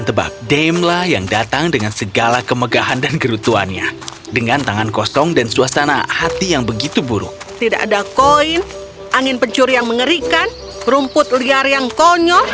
tidak ada koin angin pencur yang mengerikan rumput liar yang konyol